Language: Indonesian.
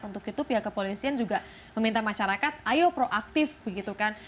untuk itu pihak kepolisian juga meminta masyarakat ayo proaktif begitu kan